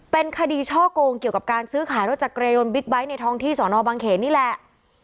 เป็นคดีช่อกงเกี่ยวกับการซื้อขายรถจักรยายนบิ๊กไบท์ในท้องที่สอนอบังเขนนี่แหละ